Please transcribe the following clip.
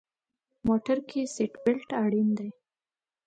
موټر کې سیټ بیلټ اړین دی.